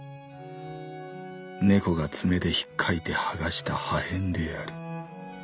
猫が爪でひっかいて剥がした破片である。